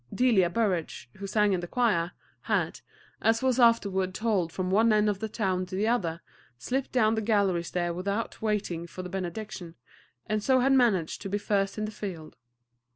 Delia Burrage, who sang in the choir, had, as was afterward told from one end of the town to the other, slipped down the gallery stair without waiting for the benediction, and so had managed to be first in the field.